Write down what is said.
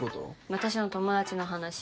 私の友達の話。